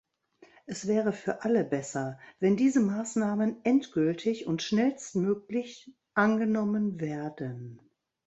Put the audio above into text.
Es wäre für alle besser, wenn diese Maßnahmen endgültig und schnellstmöglich angenommen werden.